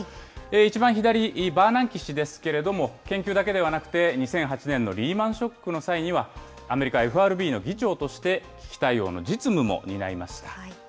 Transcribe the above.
一番左、バーナンキ氏ですけれども、研究だけではなくて、２００８年のリーマン・ショックの際には、アメリカＦＲＢの議長として、危機対応の実務も担いました。